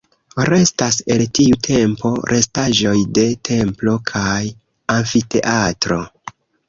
Restas el tiu tempo restaĵoj de templo kaj amfiteatro.